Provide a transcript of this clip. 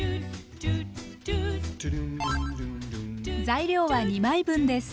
材料は２枚分です。